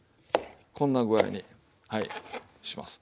こんな具合にします。